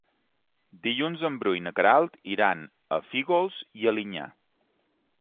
Dilluns en Bru i na Queralt iran a Fígols i Alinyà.